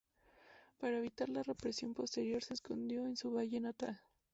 Para evitar la represión posterior se escondió en su valle natal.